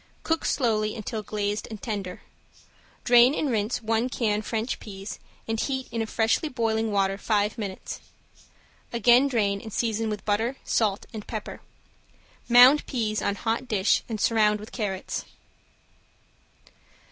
Cook slowly until glazed and tender. Drain and rinse one can French peas and heat in freshly boiling water five minutes. Again drain and season with butter, salt and pepper. Mound peas on hot dish and surround with carrots.